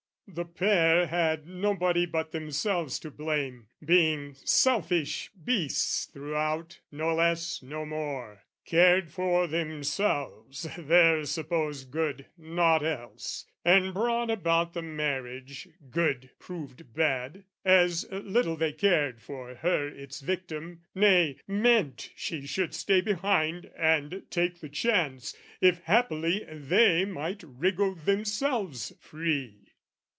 The pair had nobody but themselves to blame, Being selfish beasts throughout, no less, no more: Cared for themselves, their supposed good, nought else, And brought about the marriage; good proved bad, As little they cared for her its victim nay, Meant she should stay behind and take the chance, If haply they might wriggle themselves free.